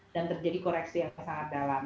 dan terjadi koreksi yang sangat dalam